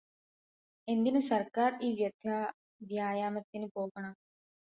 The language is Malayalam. എന്തിന് സർക്കാർ ഈ വൃഥാവ്യായാമത്തിനു പോകണം?